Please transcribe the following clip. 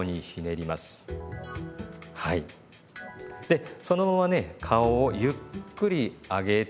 でそのままね顔をゆっくり上げてみて下さい。